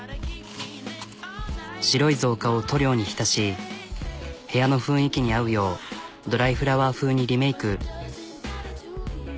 白い造花を塗料に浸し部屋の雰囲気に合うようドライフラワー風にリメーク。